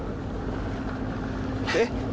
えっ？